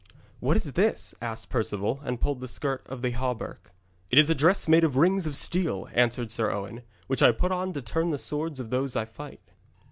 'What is this?' asked Perceval, and pulled the skirt of the hauberk. 'It is a dress made of rings of steel,' answered Sir Owen, 'which I put on to turn the swords of those I fight.'